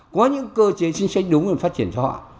có những cơ chế chính sách đúng để phát triển cho họ